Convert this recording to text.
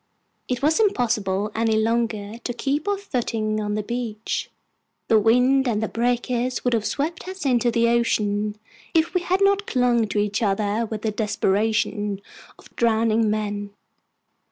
It was impossible any longer to keep our footing on the beach. The wind and the breakers would have swept us into the ocean if we had not clung to each other with the desperation of drowning men.